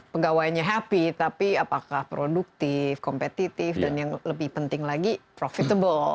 pegawainya happy tapi apakah produktif kompetitif dan yang lebih penting lagi profitable